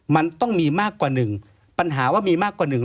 มันต้องมีมากกว่าหนึ่งปัญหาว่ามีมากกว่าหนึ่ง